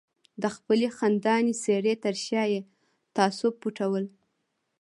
د خپلې خندانې څېرې تر شا یې تعصب پټول.